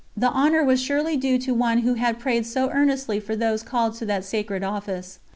The honour was surely due to one who had prayed so earnestly for those called to that sacred office.